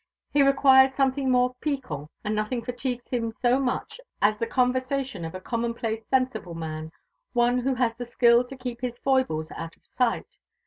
He requires something more _piquant,_and nothing fatigues him so much as the conversation of a commonplace, sensible man one who has the skill to keep his foibles out of sight.